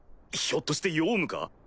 ひょっとしてヨウムか？